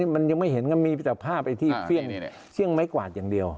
มันยังไม่เห็นก็มีแต่ภาพไอ้ที่เฟี่ยงไม้กวาดอย่างเดียว